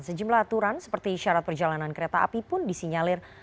sejumlah aturan seperti syarat perjalanan kereta api pun disinyalir